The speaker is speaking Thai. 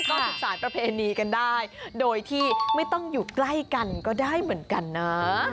ก็สืบสารประเพณีกันได้โดยที่ไม่ต้องอยู่ใกล้กันก็ได้เหมือนกันนะ